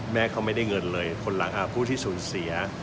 แม่เขาไม่ได้เงินเลยคนหลังผู้ที่สูญเสีย